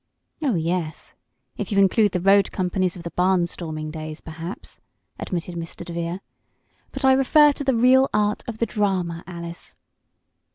"Oh, yes, if you include the road companies of the barn storming days, perhaps," admitted Mr. DeVere. "But I refer to the real art of the drama, Alice.